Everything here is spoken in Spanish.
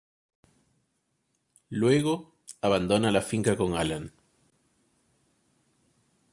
Luego, abandona la finca con Alan.